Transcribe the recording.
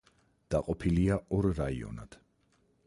დაყოფილია ორ რაიონად.